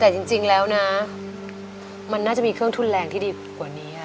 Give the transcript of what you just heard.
แต่จริงแล้วนะมันน่าจะมีเครื่องทุนแรงที่ดีกว่านี้